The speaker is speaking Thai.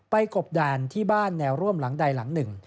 กบดานที่บ้านแนวร่วมหลังใดหลังหนึ่ง